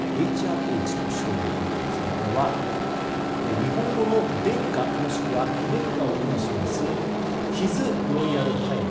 ＨＲＨという称号ということですがこれは日本語の殿下もしくは妃殿下を意味しますＨｉｓ／